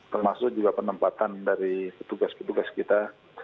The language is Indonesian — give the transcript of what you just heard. termasuk juga penempatan dari petugas petugas kita